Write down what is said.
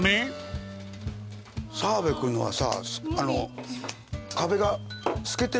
澤部君のはさ。